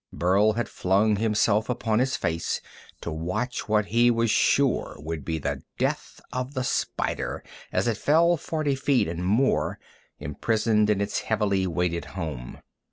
Burl had flung himself upon his face to watch what he was sure would be the death of the spider as it fell forty feet and more, imprisoned in its heavily weighted home.